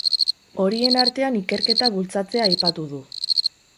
Horien artean ikerketa bultzatzea aipatu du.